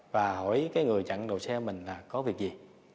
và hỏi cái người chặn đầu xe mình là có việc gì